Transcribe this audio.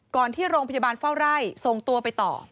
ที่โรงพยาบาลเฝ้าไร่ส่งตัวไปต่อ